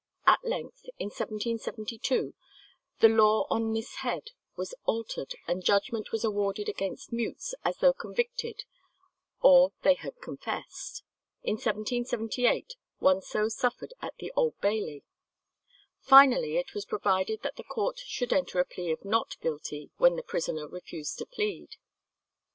At length, in 1772, the law on this head was altered and judgment was awarded against mutes as though convicted or they had confessed. In 1778 one so suffered at the Old Bailey. Finally, it was provided that the court should enter a plea of "Not guilty" when the prisoner refused to plead.